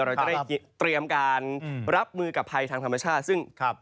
เราจะได้เตรียมการรับมือกับภัยทางธรรมชาติซึ่งครับ